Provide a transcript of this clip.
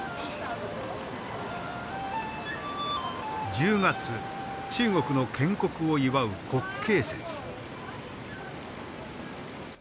１０月中国の建国を祝う国慶節。